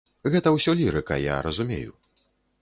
Гэта ўсё лірыка, я разумею.